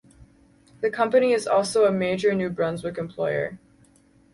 The company is also a major New Brunswick employer.